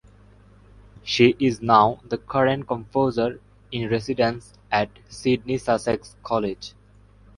She is now the current Composer in Residence at Sidney Sussex College.